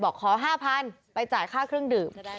ขอ๕๐๐๐ไปจ่ายค่าเครื่องดื่ม